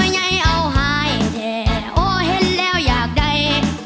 อะไหมาละเทโอเห็นแล้วอยากใด